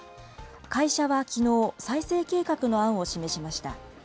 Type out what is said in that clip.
会社はきのう、再生計画の案を示しました。